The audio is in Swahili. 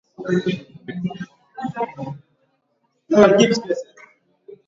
Mvua nyingi huchangia kulipuka kwa ugonjwa wa kimeta